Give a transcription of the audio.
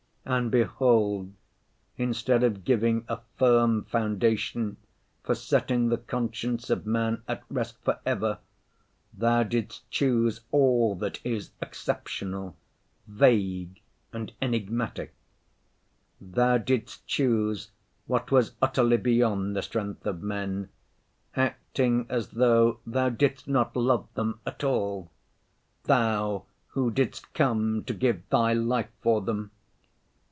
And behold, instead of giving a firm foundation for setting the conscience of man at rest for ever, Thou didst choose all that is exceptional, vague and enigmatic; Thou didst choose what was utterly beyond the strength of men, acting as though Thou didst not love them at all—Thou who didst come to give Thy life for them!